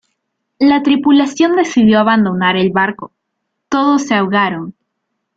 La tripulación decidió abandonar el barco, todos se ahogaron.